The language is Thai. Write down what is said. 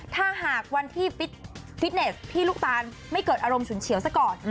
ถ้าหากวันที่ฟิตเนสพี่ลูกตาลไม่เกิดอารมณ์ฉุนเฉียวซะก่อน